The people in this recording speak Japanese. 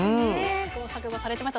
試行錯誤されてました。